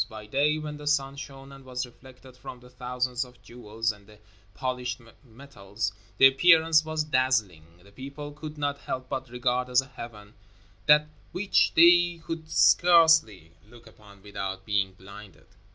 By day, when the sun shone and was reflected from the thousands of jewels and the polished metals, the appearance was dazzling; the people could not help but regard as a heaven that which they could scarcely look upon without being blinded.